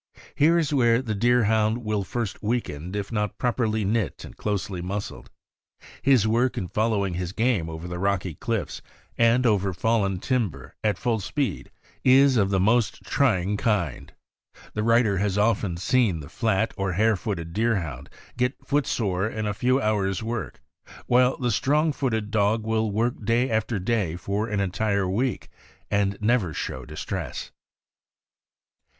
Here is where the Deerhound will first weaken if not prop erly knit and closely muscled. His work in following his game over the rocky cliffs and over fallen timber, at full speed, is of the most trying kind. The writer has often seen the flat or hare footed Deerhound get foot sore in a few hours' work, while the strong footed dog will work day after day for an entire week, and never show distress.